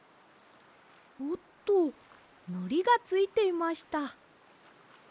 おっとのりがついていました。